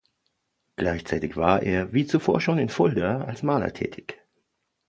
Gleichzeitig war er, wie zuvor schon in Fulda, als Maler tätig.